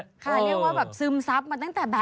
ค่ะเรียกว่าซึมทรัพย์มาตั้งแต่แบบบ่าค่ะ